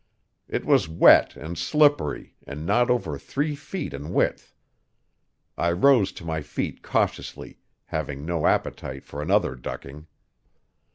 It was wet and slippery and not over three feet in width; I rose to my feet cautiously, having no appetite for another ducking.